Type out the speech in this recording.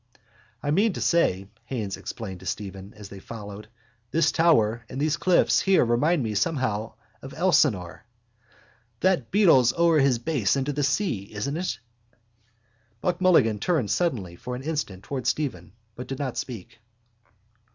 —I mean to say, Haines explained to Stephen as they followed, this tower and these cliffs here remind me somehow of Elsinore. That beetles o'er his base into the sea, isn't it? Buck Mulligan turned suddenly for an instant towards Stephen but did not speak.